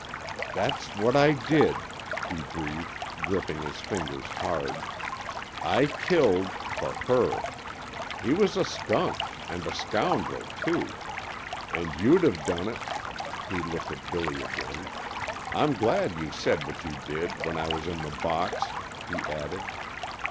"That's what I did," he breathed, gripping his fingers hard. "I killed for her. He was a skunk and a scoundrel too. And you'd have done it!" He looked at Billy again. "I'm glad you said what you did when I was in the box," he added.